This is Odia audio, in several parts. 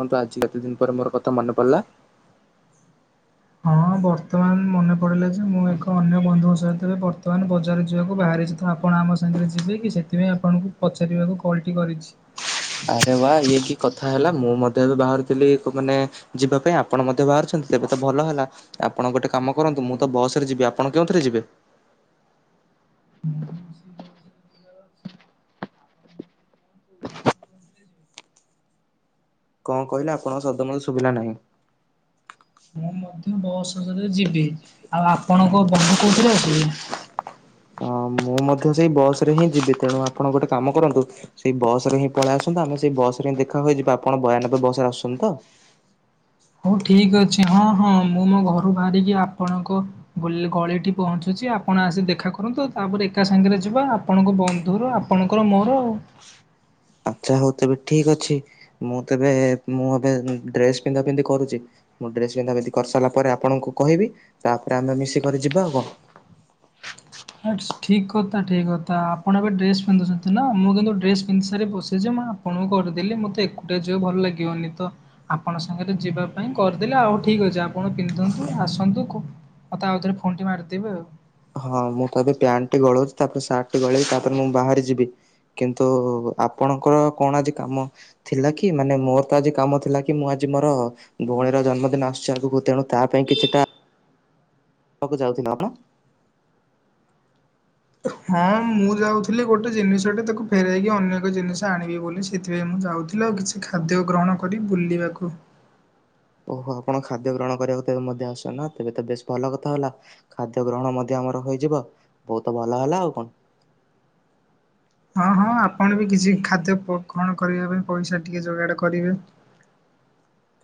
ବନ୍ଧୁ ଆଜି କେତେ ଦିନ ପରେ ମୋର କଥା ମନେ ପଡ଼ିଲା। ହଁ ବର୍ତ୍ତମାନ ମନେ ପଡିଲେ ଯେ ମୁଁ ଏକ ଅନ୍ୟ ବନ୍ଧୁଙ୍କ ସହିତ ଏବେ ବର୍ତ୍ତମାନ ବଜାର ଯିବାକୁ ବାହାର ବାହାରିଚି ତ ଆପଣ ଆମ ସାଙ୍ଗରେ ଯିବେ କି ସେଥିପାଇଁ ଆପଣଙ୍କୁ ପଚାରିବାକୁ କଲ୍ଟି କରିଛି। ଆରେ ବା ଇଏ କି କଥା ହେଲା ମୁଁ ମଧ୍ୟ ଏବେ ବାହାରୁଥିଲି ମାନେ ଯିବା ପାଇଁ ଆପଣ ମଧ୍ୟ ବାହାରୁଛନ୍ତି ତେବେ ତ ଭଲ ହେଲା। ଆପଣ ଗୋଟେ କାମ କରନ୍ତୁ ମୁଁ ତ ବସରେ ଯିବି ଆପଣ କେଉଁଥିରେ ଯିବେ? ହଁ [inaudible] କଣ କହିଲ ଆପଣଙ୍କ ସଦମ ସୁବିଲା ନାହିଁ? ମୁଁ ମଧ୍ୟ ବସ ରେ ଯିବି ଆଉ ଆପଣଙ୍କ ବନ୍ଧୁ କୋଉଥିରେ ଆସିବେ? [inaudible] ହଁ ମୁଁ ମଧ୍ୟ ସେଇ ବସ ରେ ହିଁ ଯିବି ତେଣୁ ଆପଣ ଗୋଟେ କାମ କରନ୍ତୁ ସେଇ ବସ ରେ ହିଁ ପଳେଇ ଆସନ୍ତୁ ତା ଆମେ ସେଇ ବସ ରେ ଦେଖା ହୋଇଯିବା ଆପଣ ବୟାନବେ ବସ ରେ ଆସୁଛନ୍ତି ତ? ହଉ ଠିକ ଅଛି ହଁ ହଁ ମୁଁ ମୋ ଘରୁ ବାହାରିକି ଆପଣଙ୍କ ଗଲ ଗଳିଠି ପହଞ୍ଚୁଛି ଆ ଆପଣ ଆସି ଦେଖା କରନ୍ତୁ ତାପରେ ଏକା ସାଙ୍ଗରେ ଯିବା ଆପଣଙ୍କ ବନ୍ଧୁ ର ଆପଣଙ୍କର ମୋର ଆଚ୍ଛା ହଉ ତେବେ ଠିକ ଅଛି ମୁଁ ତେବେ ମୁଁ ଏବେ ଡ୍ରେସ ପିନ୍ଧା ପିନ୍ଧି କରୁଛି। ମୁଁ ଡ୍ରେସ ବିନ୍ଧା ପିନ୍ଧି କରିସାରିଲା ପରେ ଆପଣଙ୍କୁ କହିବି ତାପରେ ଆମେ ମିଶିକରି ଯିବା ଆଉ କଣ। [inaudible] ହ ଠିକ୍ କଥା ଠିକ୍ କଥା ଆପଣ ଏବେ ଡ୍ରେସ୍ ପିନ୍ଧୁଛନ୍ତି ନା ମୁଁ କିନ୍ତୁ ଡ୍ରେସ୍ ପିନ୍ଧି ସାରି ବସିଛି ମ ଆପଣଙ୍କୁ କରିଦେଲି ମତେ ଏକୁଟଆ ଯିବ ଭଲ ଲାଗିବନି ତ ଆପଣ ସାଙ୍ଗରେ ଯିବା ପାଇଁ କରିଦେଲି ଆଉ ହଉ ଠିକ ଅଛି ଆପଣ ପିନ୍ଧନ୍ତୁ ଆସନ୍ତୁ କ ମତେ ଆଉ ଥରେ ଫୋନ୍ ଟି ମାରିଦେବେ ଆଉ। ହଁ ମୁଁ ତବେ ପ୍ୟାଣ୍ଟ ଟି ଗଳଉଛି ତାପରେ ସାର୍ଟ ଟି ଗଳେଇବି ତାପରେ ମୁଁ ବାହାରାରି ଯିବି କିନ୍ତୁ ଆପଣଙ୍କର କଣ ଆଜି କାମ ଥିଲା କି ମାନେ ମୋର ତ ଆଜି କାମ ଥିଲା କି ମୁଁ ଆଜି ମୋର ଭଉଣୀର ଜନ୍ମଦିନ ଆସୁଛି ଆଗକୁ ତେଣୁ ତା ପାଇଁ କିଛିଟା [unintelligible] ହଁ ମୁଁ ଯାଉଥିଲି ଗୋଟେ ଜିନିଷଟେ ତାକୁ ଫେରଇକି ଅନ୍ୟ ଏକ ଜିନିଷ ଆଣିବି ବୋଲି ସେଥିପାଇଁ ମୁଁ ଯାଉି ଥିଲା ଆଉ କିଛି ଖାଦ୍ୟ ଗ୍ରହଣ କରି ବୁଲିବାକୁ ହଁ ଓହୋ ଆପଣ ଖାଦ୍ୟ ଗ୍ରହଣ କରିବାକୁ ତ ମଧ୍ୟ ଆସ ନା ତେବେ ତ ବେଶ ଭଲ କଥା ହେଲା ଖାଦ୍ୟ ଗ୍ରହଣ ମଧ୍ୟ ଆ ର ହେଇଯିବ ବହୁତ ଭଲ ହେଲା ଆଉ କଣ। ହଁ ହଁ ଆପଣ ବି କିଛି ଖାଦ୍ୟ ପ କଣ କରିବା ପାଇଁ ପଇସା ଟିକିଏ ଯୋଗାଡ଼ କରିବେ।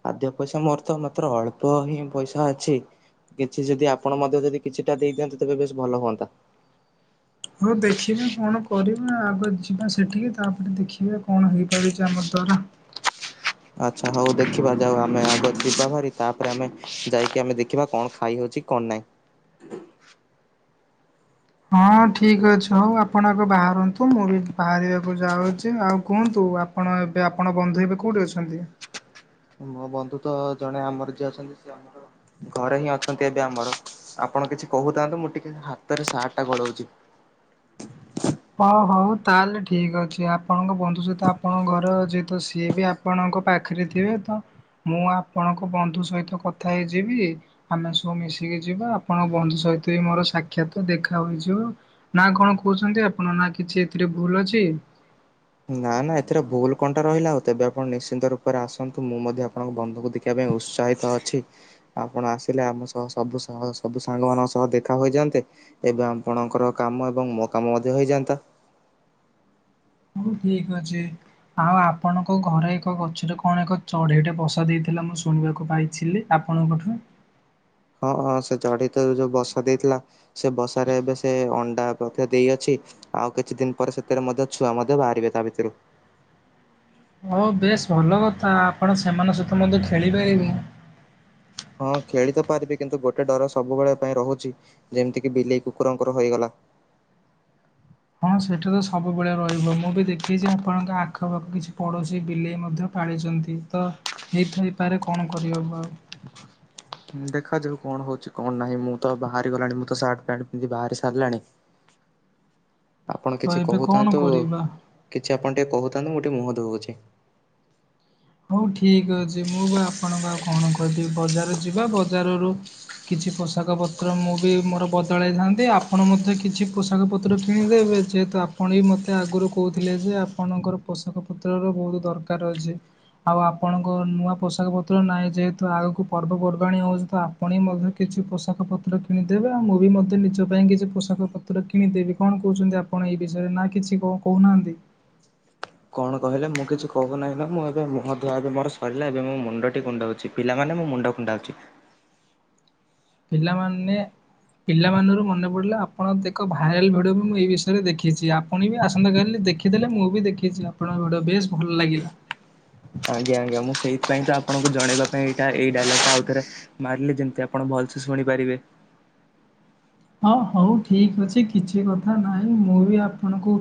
ଖାଦ୍ୟ ପଇସା ମୋର ତ ମାତ୍ର ଅଳ୍ପ ହିଁ ପଇସା ଅଛି କିଛି ଯଦି ଆପଣ ମଧ୍ୟ ଯଦି କିଛିଟା ଦେଇଦିଅନ୍ତେ ତେବେ ବେଶ ଭଲ ହୁଅନ୍ତା। ହଉ ଦେଖିବା କଣ କରିବା ଆଗ ଯିବା ସେଠିକି ତାପରେ ଦେଖିବା କଣ ହେଇପାରୁଛି ଆମ ଦ୍ଵାରା। ହ ଆଚ୍ଛା ହଉ ଦେଖିବା ଯାଉ ଆମେ ଆଗ ଯିବା ଭାରି ତାପରେ ଆମେ ଯାଇକି ଆମେ ଦେଖିବା କଣ ଖାଇହଉଛି କଣ ନାହିଁ। ହଁ ଠିକ ଅଛି ହଉ ଆପଣ ଏବେ ବାହାରନ୍ତୁ ମୁଁ ବି ବାହାରିବାକୁ ଯାଉଛି ଆଉ କୁହନ୍ତୁ କୁ ଆପଣ ଏବେ ଆପଣ ବନ୍ଧୁ ଏବେ କୋଉଠି ଅଛନ୍ତି? ହଁ ମୋ ବନ୍ଧୁ ତ ଜଣେ ଆମର ଯିଏ ଅଛନ୍ତି ସେଏ ଆମର ଘରେ ହିଁ ଅଛନ୍ତି ଏବେ ଆମର ଆପଣ କିଛି କହୁଥାନ୍ତୁ ମୁଁ ଟିକେ ହାତରେ ସାର୍ଟ ଟା ଗଳୋଉଛି। [inaudible] ହଁ ହଉ ତାହେଲେ ଠିକ ଅଛି ଆପଣଙ୍କ ବନ୍ଧୁ ସହିତ ଆପଣଙ୍କ ଘରେ ଯେହେତ ସିଏ ବି ଆପଣ ଙ୍କ ପାଖରେ ଥିବେ ତ ମୁଁ ଆପଣଙ୍କ ବନ୍ଧୁ ସହିତ କଥା ହେଇଯିବି ଆମେ ସବୁ ମିଶିକି ଯିବା ଆପଣଙ୍କ ବନ୍ଧୁ ସହିତ ମୋର ସାକ୍ଷାତ ଦେଖା ହୋଇଯିବ ନା କଣ କହୁଛନ୍ତି? ଆପଣ ନା କିଛି ଏଥିରେ ଭୁଲ ଅଛି? ନା ନା ଏଥିରେ ଭୁଲ କଣ୍ଟା ରହିଲା ଆଉ ତେବେ ଆପଣ ନିଶ୍ଚିନ୍ତ ରୂପରେ ଆସନ୍ତୁ ମୁଁ ମଧ୍ୟ ଆପଣଙ୍କ ବନ୍ଧୁକୁ ଦେଖିବା ପାଇଁ ଉ ସହାୟତା ଅଛି। ଆପଣ ଆସିଲେ ଆମ ସହ ସବୁ ସବୁ ସାଙ୍ଗ ମାନଙ୍କ ସହ ଦେଖା ହୋଇଯାଆନ୍ତେ ଏବେ ଆପଣଙ୍କର କାମ ଏବଂ ମୋ କାମ ମଧ୍ୟ ହେଇଯାଆନ୍ତା। ହଁ ଠିକ ଅଛି। ହଁ ଆପଣଙ୍କ ଘରେ ଏକ ଗଛରେ କଣ ଏକ ଚଢେଇଟେ ବସା ଦେଇଥିଲା ମୁଁ ଶୁଣିବାକୁ ପାଇଥିଲି। ଆପଣଙ୍କଠୁ [inaudible] ହଁଁ ସେ ଚଢ଼େଇ ଯୋଉଁ ବସା ଦେଇଥିଲା ସେ ବସାରେ ଏବେ ସେ ଅଣ୍ଡା ଦେଇଅଛି। ଆଉ କିଛି ଦିନ ପରେ ସେଥିରେ ମଧ୍ୟ ଛୁଆ ମଧ୍ୟ ବାହାରିବେ ତା ଭିତରୁ ହଉ ବେଶ ଭଲ କଥା ଆପଣ ସେମାନଙ୍କ ସହିତ ମଧ୍ୟ ଖେଳିପାରିବେ। ହଁ ଖେଳି ତ ପାରିବି କିନ୍ତୁ ଗୋଟେ ଡର ସବୁବେଳେ ପାଇଁ ରହୁଛି ଯେମିତି କି ବିଲେଇ କୁକୁରଙ୍କର ହେଇଗଲା। [inaudible] ହଁ ସେଠା ତ ସବୁବେଳେ ରହିବ ମୁଁ ବି ଦେଖିଛି ଆପଣଙ୍କ ଆଖପାଖ କିଛି ପଡୋଶୀ ବିଲେଇ ମଧ୍ୟ ପାଳିଛି। ଯେମିତି ତ ହେଇଥାଇପାରେ କଣ କରିବ। ଦେଖାଯାଉୁ କଣ ହଉଛି କଣ ନାହିଁ ମୁଁ ତ ବାହାରି ଗଲାଣି ମୁଁ ତ ସାର୍ଟ ପ୍ୟାଣ୍ଟ ପିନ୍ଧି ବାହାରି ସାରିଲିଣି। ଆପଣ ତ କିଛି ଏବେ କଣ କହୁଥାନ୍ତୁ କରିବା କିଛି ଆପଣ ଟିକେ କହୁଥାନ୍ତୁ ଗୋଟେ ମୁହଁ ଧୋଇ ହେଉଚି। ହଉ ଠିକ ଅଛି ମୁଁ ବା ଆପଣଙ୍କୁ ଆଉ କଣ କହିବି ବଜାର ଯିବା ବଜାରରୁ କିଛି ପୋଷାକ ପତ୍ର ମୁଁ ବି ମୋର ବଦଳାଇଥାନ୍ତି ଆପଣ ମଧ୍ୟ କିଛି ପୋଷାକ ପତ୍ର କିଣିଦେବେ? ଏ ଯେହେତୁ ଆପଣ ବି ମୋତେ ଆଗରୁ କହୁଥିଲେ ଯେ ଆପଣଙ୍କର ପୋଷାକ ପତ୍ରର ବହୁତ ଦରକାର ଅଛି। ଆଉ ଆପଣଙ୍କ ନୂଆ ପୋଷାକ ପତ୍ର ନାହିଁ ଯେହେତୁ ଆଗକୁ ପର୍ବପର୍ବାଣି ହଉଛି ତ ଆପଣ ମଧ୍ୟ କିଛି ପୋଷାକ ପତ୍ର କିଣିଦେବେ ଆଉ ମୁଁ ବି ମଧ୍ୟ ନିଜ ପାଇଁ କିଛି ପୋଷାକ ପତ୍ର କିଣିଦେବି କଣ କହୁଛନ୍ତି ଆପଣ ଏଇ ବିଷୟରେ ନା କିଛି କଣ କହୁନାହାନ୍ତି? [inaudible] କଣ କହିଲେ ମୁଁ କିଛି କହୁ ନାହିଁ ମାନେ ମୁଁ ଏବେ ମୁହଁ ଧୂଆଁ ମୋର ସରିଲା ଏବେ ମୋ ମୁଣ୍ଡ ଟି କୁଣ୍ଡଉଛି ପିଲାମାନେ ମୁଁ ମୁଣ୍ଡ କୁଣ୍ଡାଉଛି। ପିଲାମାନେ ପିଲା ମାନରୁ ମନେ ପଡିଲେ ଆପଣ ଏକ ଭାଇରାଲ ଭିଡିଓ ବି ମୁଁ ଏଇ ବିଷୟରେ ଦେଖିଛି ଆପଣ ବି ଆସନ୍ତାକାଲି ଦେଖିଦେଲେ ମୁଁ ବି ଦେଖିଛି ଆପଣଙ୍କ ବେଶ ଭଲ ଲାଗିଲା। [inaudible] ଆଜ୍ଞା ଆଜ୍ଞା ମୁଁ ସେଇଥିପାଇଁ ତ ଆପଣଙ୍କୁ ଜଣେଇବା ପାଇଁ ଏଇଟା ଏଇ ଡାଇଲଗ୍ ଟା ଆଉଥରେ ମାରିଲି ଯେମିତି ଆପଣ ଭଲ ଶୁଣିପାରିବେ। ହଁ ହଉ ଠିକ ଅଛି କିଛି କଥା ନାହିଁ ମୁଁ ବି ଆପଣଙ୍କୁ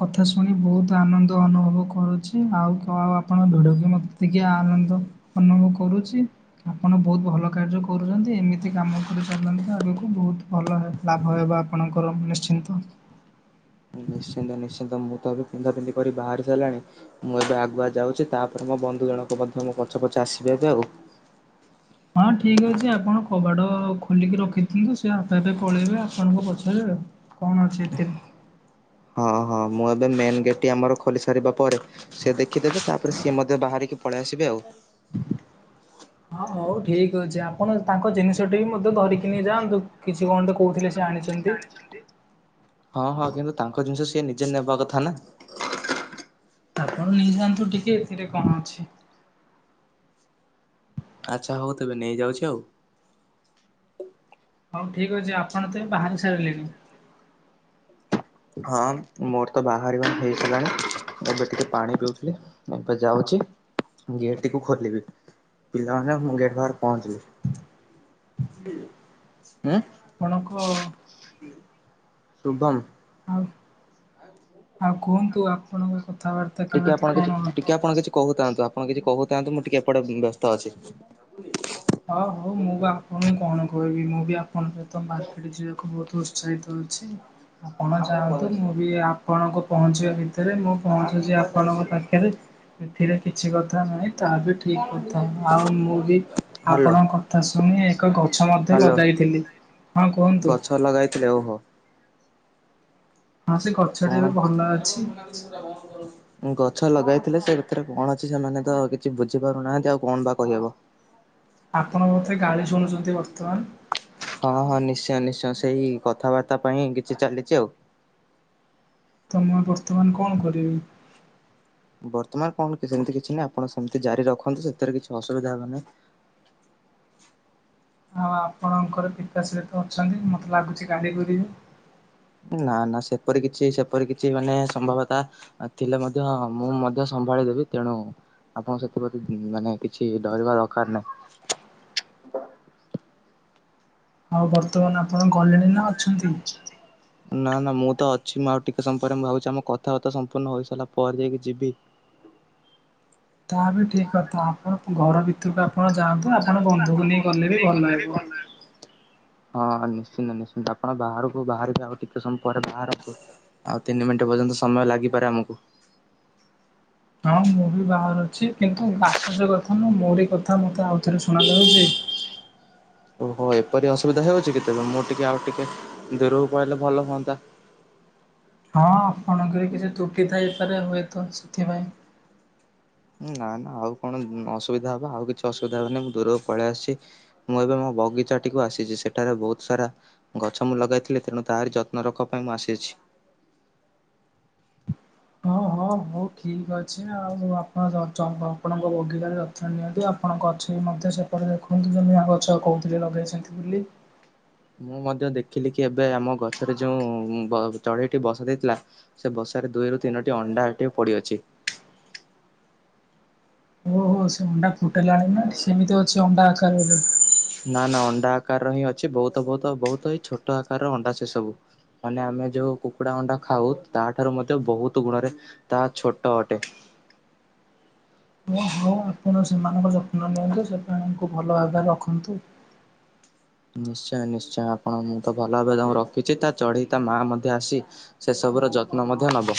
କଥା ଶୁଣି ବହୁତ ଆନନ୍ଦ ଅନୁଭବ କରୁଛି ଆଉ କଣ ଆପଣଙ୍କ ଭିଡ଼କ ମତେ ଟିକେ ଆନନ୍ଦ ଅନୁଭବ କରୁ କରୁଛି ଆପଣ ବହୁତ ଭଲ କାର୍ଯ୍ୟ କରୁଛନ୍ତି ଏମିତି କାମ କରିଚାଲନ୍ତୁ ଆଗକୁ ବହୁତ ଭଲ ହେବ ଆପଣଙ୍କର ନିଶ୍ଚିନ୍ତ। ନିଶ୍ଚିନ୍ତ ନିଶ୍ଚିନ୍ତ ମୁଁ ତ ଏବେ ପିନ୍ଧା ପିନ୍ଧି କରି ବାହାରି ସାରିଲାଣି ମୁଁ ଏବେ ଆଗୁଆ ଯାଉଛି ତାପରେ ମ ଦୁ ଜଣଙ୍କ ମଧ୍ୟ ମୋ ପଛେ ପଛେ ଆସିବ ଏବେ ହଁ ଠିକ୍ ଅଛି ଆପଣ କବାଟ ଖୋଲିକି ରଖିନ୍ତୁ ସେ ଆପେ ଆପେ ପଳେଇବେ ଆପଣଙ୍କୁ ପଚାରବେ ଆଉ କଣ ଅଛି ହେତେରେ। ହଁ। କରିବା ପରେ ସେ ଦେଖିଦେବେ ତାପରେ ସିଏ ମଧ୍ୟ ବାହାରିକି ପଳେଇ ଆସିବେ ଆଉ। ହ ହଉ ଠିକ ଅଛି ଆପଣ ତାଙ୍କ ଜିନିଷଟି ବି ମଧ୍ୟ ଧରିକି ନେଇ ଯାଆନ୍ତୁ କିଛି କଣ କହୁଥିଲେ ସେ ଆଣିଚନ୍ତି। ହଁ ହଁ କିନ୍ତୁ ତାଙ୍କ ଜିନିଷ ସିଏ ନିଜେ ନେବା କଥା ନା। ଆପଣ ନେଇଯାଆନ୍ତୁ ଟିକେ ଏଥିରେ କଣ ଅଛି। ଆଚ୍ଛା ହଉ ତେବେ ନେଇ ଯାଉଛି ଆଉ। ହଉ ଠିକ ଅଛି। ଆପଣ ତେବେ ବାହାରି ସାରିଲେଣି? ହଁ ମୋର ତ ବାହାରିବା ହେଇସାରିଲାଣି। ଏବେ ଟିକେ ପାଣି ପିଉଥିଲି। ଏବେ ଯାଉଚି। ଗେଟଟିକୁ ଖୋଲିବି। ପିଲାମାନେ ମୁଁ ଗେଟ୍ ପାଖରେ ପହଞ୍ଚିଲି। ଉଁ ଆପଣଙ୍କ ଆଉ ଶୁଭମ୍ ଆଉ କୁହନ୍ତୁ ଆପଣଙ୍କ କଥାବାର୍ତ୍ତା ଟିକେ କେମିତି ଆପଣ କିଛି କଣ? ଟିକେ ଆପଣ କିଛି କହୁଥାନ୍ତୁ ଆପଣ କିଛି କହୁଥାନ୍ତୁ ମୁଁ ଟିକେ ଏପଟେ ବ୍ୟସ୍ତ ଅଛି। ହଁ ହଉ ମୁଁ ବା ଆପଣଙ୍କୁ କଣ କହିବି ମୁଁ ବି ଆପଣଙ୍କ ସହିତ ମାର୍କେଟ ଯିବାକୁ ବହୁତ ଚାହିଁ ତ ଅଛି। ଆପଣ ଯାଆନ୍ତୁ ମୁଁ ବି ଆପଣଙ୍କ ପହଞ୍ଚିବା ଭିତରେ ମୁଁ ପହଞ୍ଚୁଛି ଆପଣଙ୍କ ପାଖେରେ ଏଥିରେ କିଛି କଥା ନାହିଁ ତା ବି ଠିକ କଥା। ଆଉ ମୁଁ ବି ହ୍ୟାଲୋ ଆପଣଙ୍କ କଥା ଶୁଣି ଏକ ଗଛ ମଧ୍ୟ ହ୍ୟାଲୋ ଲଗାଇଥିଲି। ହଁ କୁହନ୍ତୁ ଗଛ ଲଗାଇଥିଲେ ଓହୋ। ହଁ ସେ ଗଛଟି କଣ ଏବେ ଭଲ ଅଛି। ମୁଁ କ ଗଛ ଲଗାଇଥିଲେ ସେ ଭିତରେ କଣ ଅଛି ସେମାନେ ତ କିଛି ବୁଝିପାରୁନାହାନ୍ତି ଆଉ କଣ ବା କହିହେବ। ଆପଣ ବୋଧେ ଗାଳି ଶୁଣୁଛନ୍ତି ବର୍ତ୍ତମାନ। ହଁ ହଁ ନିଶ୍ଚୟ ନିଶ୍ଚୟ ସେଇ କଥାବାର୍ତ୍ତା ପାଇଁ କିଛି ଚାଲିଚି ଆଉ। ତ ମୁଁ ବର୍ତ୍ତମାନ କଣ କରିବି? ବର୍ତ୍ତମାନ କଣ କି ସେମିତି କିଛି ନାହିଁ। ଆପଣ ସେମିତି ଜାରି ରଖନ୍ତୁ। ସେଥିରେ କିଛି ଅସୁବିଧା ହେବନାହିଁ। ହଁ ଆପଣଙ୍କର ପିକାଶରେ ତ ଅଛନ୍ତି ମତେ ଲାଗୁଛି ଗାଡି କରିବେ। ନା ନା ସେପରି କିଛି ସେପରି କିଛି ମାନେ ସମ୍ଭବତା ଥିଲେ ମଧ୍ୟ ମୁଁ ମଧ୍ୟ ସ ସମ୍ଭାଳିଦେବି ତେଣୁ ଆପଣ ସେଥିପ୍ରତି ମାନେ କିଛି ଡରିବା ଦକାର ନାହିଁ। ହଁ ହଉ ବର୍ତ୍ତମାନ ଆପଣ ଗଲେଣି ନା ଅଛନ୍ତି? ନା ନା ମୁଁ ତ ଅଛି ମୁଁ ଆଉ ଟିକେ ସମୟ ପରେ ମୁଁ ଭାବୁଛି ଆମ କଥାବାର୍ତ୍ତା ସମ୍ପୂର୍ଣ୍ଣ ହୋଇ ସାରିଲା ପରେ ଯାଇକି ଯିବି। ହଁ ତା ବି ଠିକ୍ କଥା ଆପଣ ଘର ଭି ତୁରୁକୁ ଆପଣ ଯାଆନ୍ତୁ ଆପଣ ବନ୍ଧୁକୁ ନେଇ ଗଲେ ବି ଭଲ ହେବ। ହଁ ନିଶ୍ଚିନ୍ତ ନିଶ୍ଚିନ୍ତ ଆପଣ ବାହାରକୁ ବାହାରିବେ ଆଉ ଟିକେ ସମୟ ପରେ ବାହାରନ୍ତୁ। ଆଉ ତିନି ମିନିଟ ପର୍ଯ୍ୟନ୍ତ ସମୟ ଲାଗିପାରେ ଆମୁକୁ। ହଁ ମୁଁ ବି ବାହରୁଚି କିନ୍ତୁ ଆଶ୍ଚର୍ଯ୍ୟ କଥା ମୁଁ ମୋରି କଥା ମତେ ଆଉ ଥରେ ଶୁଣାଯାଉଚି। ଓହୋ ଏପରି ଅସୁବିଧା ହେଉଚି କି? ତେବେ ମୁଁ ଟିକେ ଆଉ ଟିକେ ଦୂରକୁ ପଳେଇଲେ ଭଲ ହୁଅନ୍ତା। ହ ହଁ ଆପଣଙ୍କରବି କିଛି ତୁଟି ଥାଇପାରେ ହୁଏତ ସେଥିପାଇଁ। ନା ନା ଆଉ କଣ ଅସୁବିଧା ହବ ଆଉ କିଛି ଅସୁବିଧା ହେବନି। ମୁଁ ଦୂରକୁ ପଳେଇ ଆସିଛି। ମୁଁ ଏବେ ମୋ ବଗିଚାଟିକୁ ଆସିଛି। ସେଠାରେ ବହୁତ ସାରା ଗଛ ମୁଁ ଲଗାଇଥିଲି। ତେଣୁ ତାରି ଯତ୍ନ ରଖ ପାଇଁ ମୁଁ ଆସିଛି। ହଁ ହଁ ହଉ ଠିକ ଅଛି ଆଉ ଆପଣ [unintelligible] ଆପଣଙ୍କ ବଗିଚାରେ ଯତ୍ନ ନିଅନ୍ତି। ଆପଣଙ୍କ ଅଛି ମଧ୍ୟ ସେପଟେ ଦେଖନ୍ତୁ ଜମିଆଁ ଗଛ କହୁଥିଲେ ଲଗେଇଛନ୍ତି ବୋଲି। ମୁଁ ମଧ୍ୟ ଦେଖିଲି କି ଏବେ ଆମ ଗଛରେ ଯେଉଁ ବ ଚଢେଇଟି ବସା ଦେଇଥିଲା ସେ ବସ ସାରେ ଦୁଇରୁ ତିନୋଟି ଅଣ୍ଡା ଟିକେ ପଡିଅଛି। ଓହୋ ସେ ଅଣ୍ଡା ଫୁଟେଇଲାଣି ନା ସେମିତି ଅଛି ଅଣ୍ଡା ଆକାରରେ? ନା ନା ଅଣ୍ଡା ଆକାରର ହିଁ ଅଛି ବହୁତ ବହୁତ ବହୁତ ହିଁ ଛୋଟ ଆକାରର ଅଣ୍ଡା ସେ ସବୁ ମାନେ ଆମେ ଯୋଉ କୁକୁଡ଼ା ଅଣ୍ଡା ଖାଉ ତା ଠାରୁ ମଧ୍ୟ ବହୁତ ଗୁଣରେ ତାହା ଛୋଟ ଅଟେ। ଓ ହଉ ଆପଣ ସେମାନଙ୍କ ଯତ୍ନ ନିଅନ୍ତୁ ସେମାନଙ୍କୁ ଭଲ ଭାବରେ ରଖନ୍ତୁ। ନିଶ୍ଚୟ ନିଶ୍ଚୟ ଆପଣ ମୁଁ ତ ଭଲ ଭାବେ ତା ରଖିଛି, ତା ଚଢ଼େଇ ତା ମା ମଧ୍ୟ ଆସି ସେସବୁର ଯତ୍ନ ମଧ୍ୟ ନବ।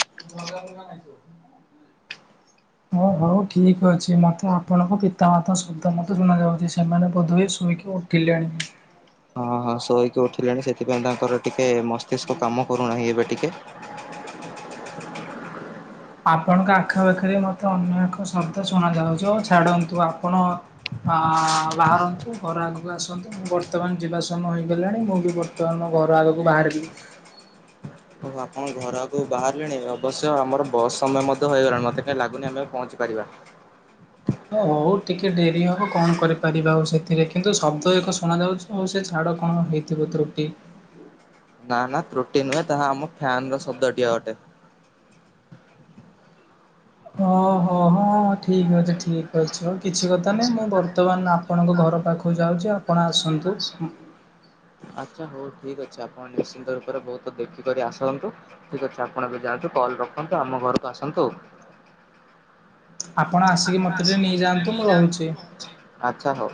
ହ ହଉ ଠିକ୍ ଅଛି ମତେ ଆପଣଙ୍କ ପିତାମାତା ଶବ୍ଦ ମତେ ଶୁଣାଯାଉଛି, ସେମାନେ ବୋଧୁଏ ଶୋଇକି ଓଠିଲଣି। ହଁ ହଁ ଶୋଇକି ଉଠିଲେଣି ସେଥିପାଇଁ ତାଙ୍କର ଟିକେ ମସ୍ତିଷ୍କ କାମ କରୁନାହିଁ ଏବେ ଟିକେ। [inaudible] ଆପଣଙ୍କ ଆଖପାଖରେ ମତେ ଅନ୍ୟ ଏକ ଶବ୍ଦ ଶୁଣା ଯାଉଛି ଓ ଛାଡନ୍ତୁ ଆପଣ ଆ ବାହାରନ୍ତୁ ଘର ଆଗକୁ ଆସନ୍ତୁ ମୁଁ ବର୍ତ୍ତମାନ ଯିବା ସମୟ ହେଇଗଲାଣି ମୁଁ ବି ବର୍ତ୍ତମାନ ଘ ଘର ଆଗକୁ ବାହାରିଲି। [inaudible] ଆପଣ ଘର ଆଗକୁ ବାହାରିଲେଣି ଅବଶ୍ୟ ଆମର ବସ୍ ସମୟ ମଧ୍ୟ ହୋଇଗଲାଣି ମତେ କାହିଁ ଲାଗୁନି ଆମେ ଆଉ ପହଞ୍ଚିପାରିବା। [inaudible] ହ ହଉ ଟିକେ ଡେରି ହବ କଣ କରିପାରିବା ଆଉ ସେଥିରେ କିନ୍ତୁ ଶବ୍ଦ ଏକ ଶୁଣା ଯାଉଛି ହଉ ସେ ଚାଡ କଣ ହେଇଥିବ ତ୍ରୁଟି। ନା ନା ତ୍ରୁଟି ନୁହେଁ ତାହା ଆମ ଫ୍ୟାନ୍ ର ଶବ୍ଦ ଟି ଅଟେ। ଓହୋ ହଁ ଠିକ୍ ଅଛି ଠିକ୍ ଅଛି ହଉ କିଛି କଥା ନାଇଁ ମୁଁ ବର୍ତ୍ତମାନ ଆପଣଙ୍କ ଘର ଘର ପାଖକୁ ଯାଉଛି ଆପଣ ଆସନ୍ତୁ । [inaudible] ଆଚ୍ଛା ହଉ ଠିକ୍ ଅଛି ଆପଣ ନିଶ୍ଚିନ୍ତ ରୂପରେ ବହୁତ ଦେଖିକରି ଆସନ୍ତୁ ଠିକ୍ ଅଛି ଆପଣ ଏବେ ଯାଆନ୍ତୁ କ ରଖନ୍ତୁ ଆମ ଘରକୁ ଆସନ୍ତୁ। ଆପଣ ଆସିକି ମତେ ଟିକେ ନେଇଯାଆନ୍ତୁ। ମୁଁ ରହୁଛି ଆଚ୍ଛା ହଉ।